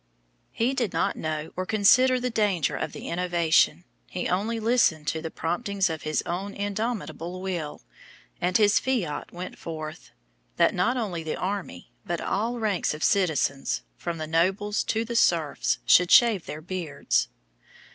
He did not know or consider the danger of the innovation; he only listened to the promptings of his own indomitable will, and his fiat went forth, that not only the army, but all ranks of citizens, from the nobles to the serfs, should shave their beards.